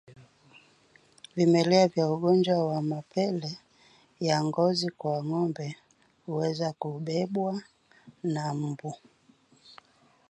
Vimelea vya ugonjwa wa mapele ya ngozi kwa ngombe huweza kubebwa na mbu